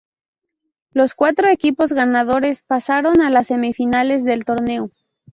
Los cuatro equipos ganadores pasaron a las Semifinales del torneo.